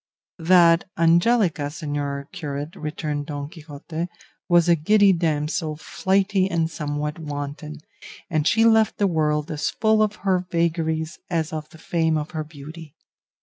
"That Angelica, señor curate," returned Don Quixote, "was a giddy damsel, flighty and somewhat wanton, and she left the world as full of her vagaries as of the fame of her beauty.